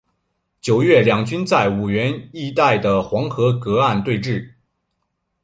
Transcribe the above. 九月两军在五原一带的黄河隔岸对峙。